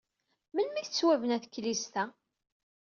Melmi ay tettwabna teklizt-a?